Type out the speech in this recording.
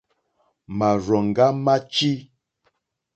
Màrzòŋɡá má tʃí.